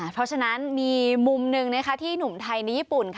เพราะฉะนั้นมีมุมหนึ่งที่หนุ่มไทยในญี่ปุ่น